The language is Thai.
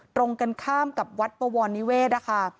ตรงกันข้ามกับวัดปวรนิเวศนะคะ